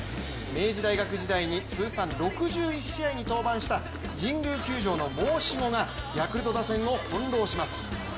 明治大学時代に通算６１試合に登板した神宮球場の申し子がヤクルト打線をほんろうします。